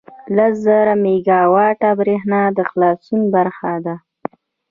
لس زره میګاوټه بریښنا د خلاصون برخه ده.